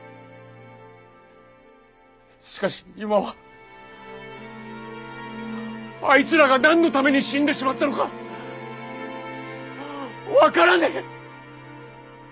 しかし今はあいつらが何のために死んでしまったのか分からねぇ。